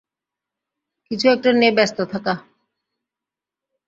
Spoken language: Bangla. কিছু একটা নিয়ে ব্যস্ত থাকা।